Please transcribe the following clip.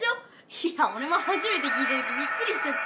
いやおれもはじめて聞いた時びっくりしちゃってさ。